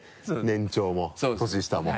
年長も年下も。